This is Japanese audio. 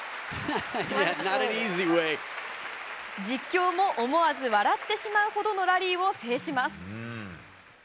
実況も思わず笑ってしまうほどのラリーを制します。